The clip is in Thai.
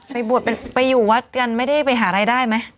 ไปบวชเป็นไปอยู่วัดกันไม่ได้ไปหารายได้ไหม